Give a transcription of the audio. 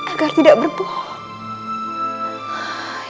agar tidak berbohong